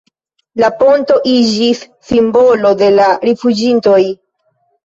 La ponto iĝis simbolo de la rifuĝintoj.